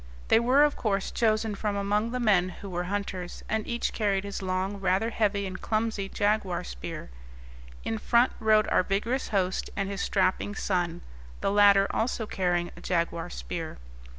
They were, of course, chosen from among the men who were hunters, and each carried his long, rather heavy and clumsy jaguar spear. In front rode our vigorous host and his strapping son, the latter also carrying a jaguar spear.